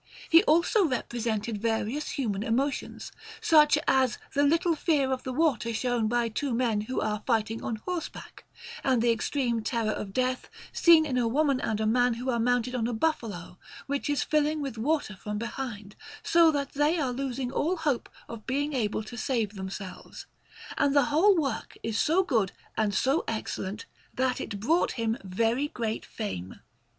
He also represented various human emotions, such as the little fear of the water shown by two men who are fighting on horseback, and the extreme terror of death seen in a woman and a man who are mounted on a buffalo, which is filling with water from behind, so that they are losing all hope of being able to save themselves; and the whole work is so good and so excellent, that it brought him very great fame.